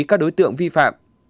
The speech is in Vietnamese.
các đối tượng vi phạm